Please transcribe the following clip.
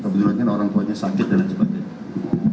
kebetulan kan orang tuanya sakit dan lain sebagainya